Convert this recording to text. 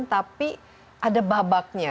tapi ada babaknya